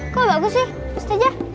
kok bagus sih ustazah